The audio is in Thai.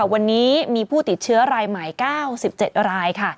วันนี้มีผู้ติดเชื้อรายใหม่๙๗ราย